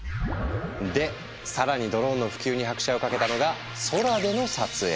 で更にドローンの普及に拍車をかけたのが空での撮影。